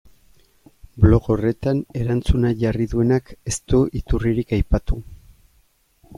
Blog horretan erantzuna jarri duenak ez du iturririk aipatu.